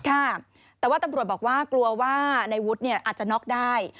ค่ะแต่ว่าตำรวจบอกว่ากลัวว่าในวุฒิเนี่ยอาจจะน็อกได้